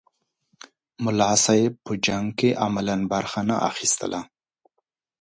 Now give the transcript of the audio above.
ملا صاحب په جنګ کې عملاً برخه نه اخیستله.